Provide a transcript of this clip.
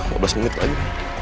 dua belas menit lagi